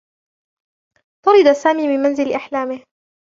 طُرد سامي من منزل أحلامه.